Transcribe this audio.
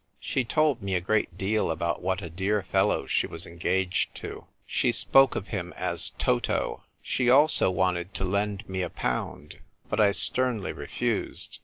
She told me a great deal about what a dear fellow she was engaged to. She spoke of him as Toto. She also wanted to lend me a pound. But I sternly refused.